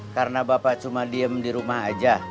karena bapak cuma diem di rumah aja